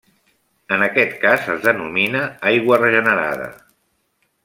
En aquest cas es denomina aigua regenerada.